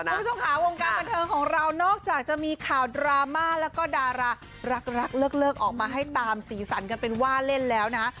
คุณผู้ชมค่ะวงการบันเทิงของเรานอกจากจะมีข่าวดราม่าแล้วก็ดารารักเลิกออกมาให้ตามสีสันกันเป็นว่าเล่นแล้วนะ